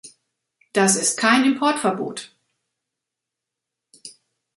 Das ist kein Importverbot.